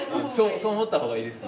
そう思ったほうがいいです。